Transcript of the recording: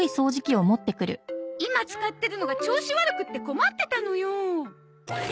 今使ってるのが調子悪くって困ってたのよ。